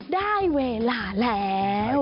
ได้เวลาแล้ว